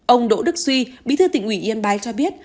ông đỗ đức suy bí thư tỉnh ủy yên bái cho biết